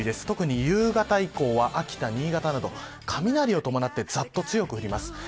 特に夕方以降は新潟など雷を伴ってざっと強く降ります。